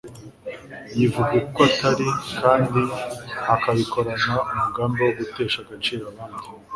yivuga uko atari kandi akabikorana umugambi wo gutesha agaciro abandi